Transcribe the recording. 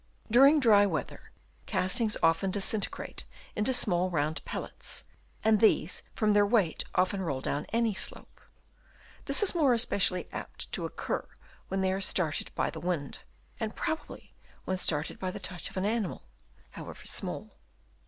During dry weather castings often disintegrate into small rounded pellets, and these from their weight often roll down any slope. This is more especially apt to occur when they are started by the wind, and probably when started by the touch of an animal, however small.